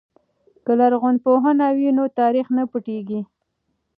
که لرغونپوهنه وي نو تاریخ نه پټیږي.